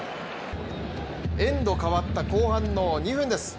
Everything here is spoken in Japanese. エンド変わった後半の２分です。